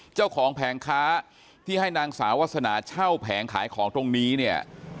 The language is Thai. แผงค้าที่ให้นางสาววาสนาเช่าแผงขายของตรงนี้เนี่ย